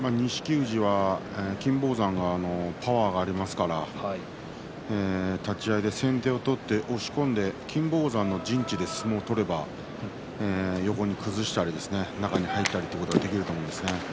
富士は金峰山はパワーがありますから立ち合いで先手を取って押し込んで金峰山の陣地で相撲を取れば横に崩したり中に入ったりということができると思うんですね。